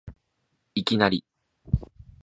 いきなり